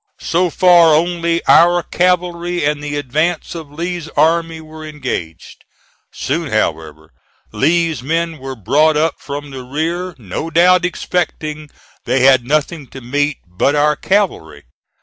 So far, only our cavalry and the advance of Lee's army were engaged. Soon, however, Lee's men were brought up from the rear, no doubt expecting they had nothing to meet but our cavalry.